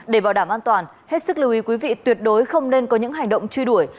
để bảo đảm an toàn hết sức lưu ý quý vị tuyệt đối không nên có những hành động truy đuổi